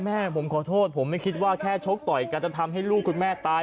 แม่ผมขอโทษผมไม่คิดว่าแค่ชกต่อยกันจะทำให้ลูกคุณแม่ตาย